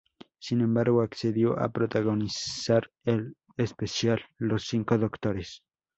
Sin embargo, accedió a protagonizar el Especial, Los Cinco Doctores.